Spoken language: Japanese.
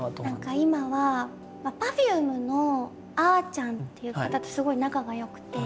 何か今はＰｅｒｆｕｍｅのあちゃんっていう方とすごい仲がよくて。